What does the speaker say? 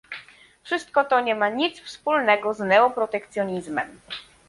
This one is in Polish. Wszystko to nie ma nic wspólnego z neoprotekcjonizmem